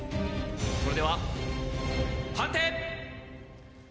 それでは判定！